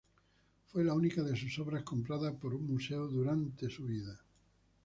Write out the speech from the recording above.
Fue la única de sus obras comprada por un museo durante su vida.